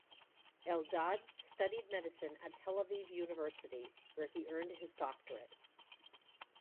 Eldad studied medicine at Tel Aviv University, where he earned his doctorate.